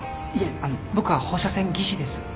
いえ僕は放射線技師です。